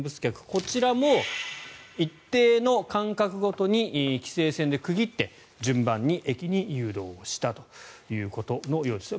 こちらも一定の間隔ごとに規制線で区切って順番に駅に誘導したということのようです。